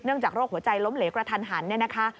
จากโรคหัวใจล้มเหลวกระทันหันเนี่ยนะคะ